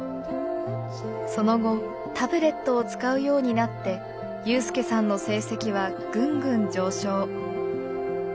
その後タブレットを使うようになって有さんの成績はグングン上昇。